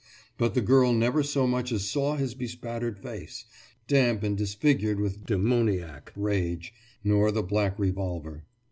But the girl never so much as saw his bespattered face, damp and disfigured with demoniac rage, nor the black revolver.